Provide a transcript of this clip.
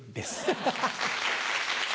ハハハ。